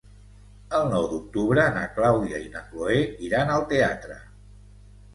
El nou d'octubre na Clàudia i na Cloè iran al teatre.